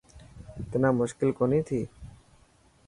تنا مشڪل ڪوني ٿي.